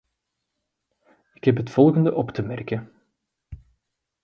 Ik heb het volgende op te merken.